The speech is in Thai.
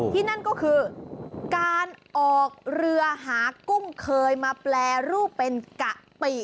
นั่นก็คือการออกเรือหากุ้งเคยมาแปรรูปเป็นกะปิ